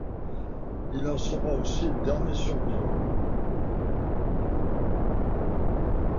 Il en sera aussi le dernier survivant.